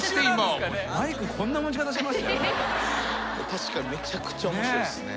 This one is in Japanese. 確かにめちゃくちゃ面白いっすね。